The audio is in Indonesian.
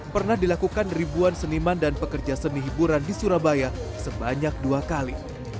pernah dilakukan ribuan seniman dan pekerja seni hiburan di surabaya sebanyak dua kali